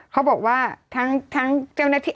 เขาบอกว่าทั้งเจ้าหน้าที่